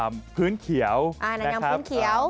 อ่าพื้นเขียวอ่าดันยางพื้นเขียว